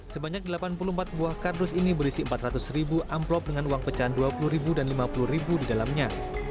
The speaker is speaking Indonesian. sebanyak delapan puluh empat buah kardus ini berisi empat ratus ribu amplop dengan uang pecahan dua puluh ribu dan lima puluh ribu di dalamnya